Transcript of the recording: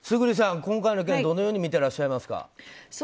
村主さん、今回の件どのように見てらっしゃいますか。